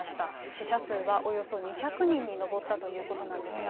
死者数はおよそ２００人に上ったということなんですが。